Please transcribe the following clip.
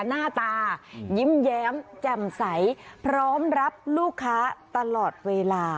หน้าตายิ้มแย้มแจ่มใสพร้อมรับลูกค้าตลอดเวลา